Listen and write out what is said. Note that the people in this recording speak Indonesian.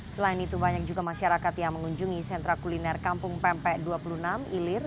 selain itu banyak juga masyarakat yang mengunjungi sentra kuliner kampung pempek dua puluh enam ilir